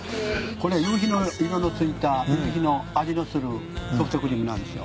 これ夕日の色の付いた夕日の味のするソフトクリームなんですよ。